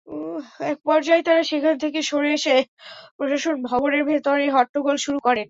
একপর্যায়ে তাঁরা সেখান থেকে সরে এসে প্রশাসন ভবনের ভেতরে হট্টগোল শুরু করেন।